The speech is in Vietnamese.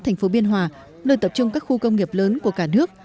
thành phố biên hòa nơi tập trung các khu công nghiệp lớn của cả nước